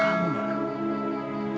kamu nggak ngerti